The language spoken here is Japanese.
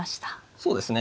そうですね。